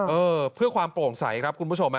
เออเออเพื่อความโปร่งไสต์ครับคุณผู้ชมนะ